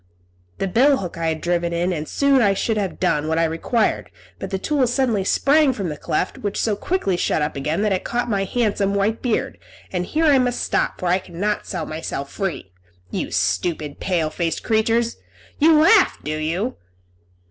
The bill hook I had driven in, and soon I should have done what I required; but the tool suddenly sprang from the cleft, which so quickly shut up again that it caught my handsome white beard; and here I must stop, for I cannot set myself free. You stupid, pale faced creatures! You laugh, do you?"